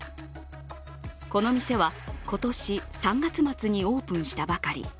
この店は今年３月末にオープンしたばかり。